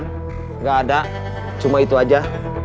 tidak ada cuma itu aja